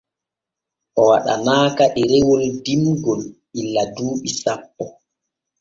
O waɗanaaka ɗerewol dimgil illa duuɓi sappo.